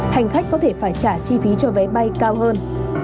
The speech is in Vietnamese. hành khách có thể phải trả chi phí cho vé bay cao hơn